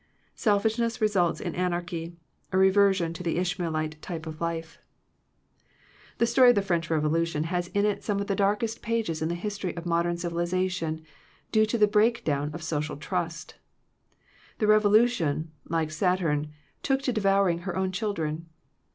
Selfishness results in anarchy, a reversion to the Ishmaelite type of life. 158 Digitized by VjOOQIC THE WRECK OF FRIENDSHIP The story of the French Revolution has in it some of the darkest pages in the his tory of modem civilization, due to the breakdown of social trust. The Revo lution, like Saturn, took to devouring her own children.